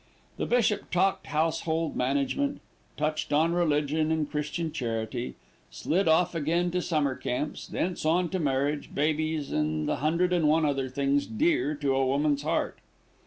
The bishop talked household management, touched on religion and Christian charity, slid off again to summer camps, thence on to marriage, babies and the hundred and one other things dear to a woman's heart.